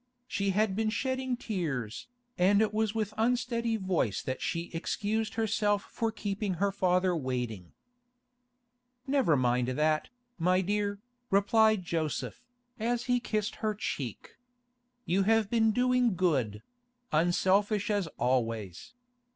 She had been shedding tears, and it was with unsteady voice that she excused herself for keeping her father waiting. 'Never mind that, my dear,' replied Joseph, as he kissed her cheek. 'You have been doing good—unselfish as always.